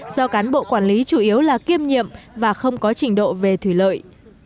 do cán bộ quản lý chủ yếu là kiêm nhiệm và không có trình độ về thủy lợi